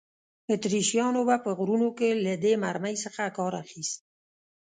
اتریشیانو به په غرونو کې له دې مرمۍ څخه کار اخیست.